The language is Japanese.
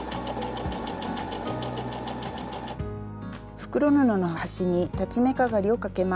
袋布の端に裁ち目かがりをかけます。